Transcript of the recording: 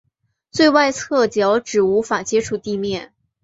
最外侧脚趾无法接触地面。